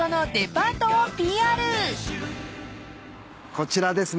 こちらですね。